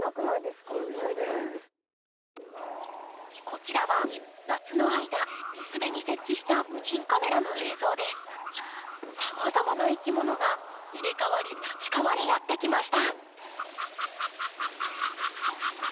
こちらは夏の間水辺に設置したさまざまないきものが入れ代わり立ち代わりやって来ました。